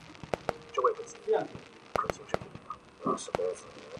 韩泷祠的历史年代为清嘉庆十四年重修。